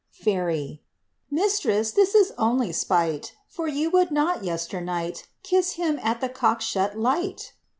Fairy. Mistress, this is only spite, For you would not, yesternight, Kiss him at the oock shut light.